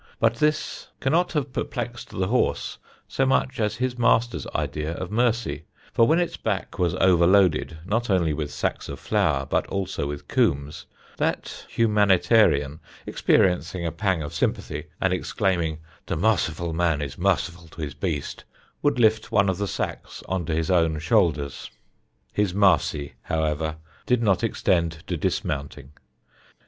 But this cannot have perplexed the horse so much as his master's idea of mercy; for when its back was over loaded, not only with sacks of flour, but also with Coombs, that humanitarian, experiencing a pang of sympathy, and exclaiming "The marciful man is marciful to his beast," would lift one of the sacks on to his own shoulders. His marcy, however, did not extend to dismounting.